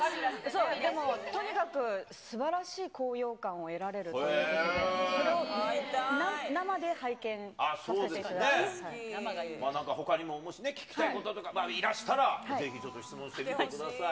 でも、とにかく、すばらしい高揚感を得られるということで、それを生で拝見させてなんかほかにももしね、聞きたいことがあったら、いらしたらぜひ、ちょっと質問してください。